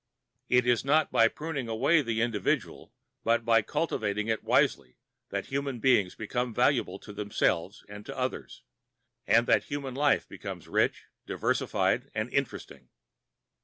254 It is not by pruning away the individual but by cultivating it wisely that human beings become valuable to themselves and to others, and that human life becomes rich, diversified, and interesting.